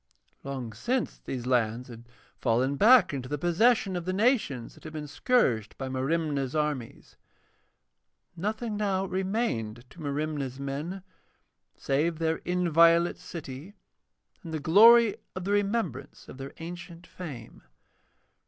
Long since these lands had fallen back into the possession of the nations that had been scourged by Merimna's armies. Nothing now remained to Merimna's men save their inviolate city and the glory of the remembrance of their ancient fame.